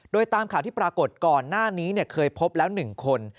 โดยตามข่าวที่ปรากฏก่อนหน้านี้เคยพบแล้ว๑คน